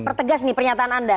pertegas nih pernyataan anda